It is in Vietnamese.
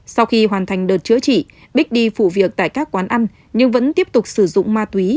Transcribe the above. sau khi hoàn thành đợt chữa trị bích đi phụ việc tại các quán ăn nhưng vẫn tiếp tục sử dụng ma túy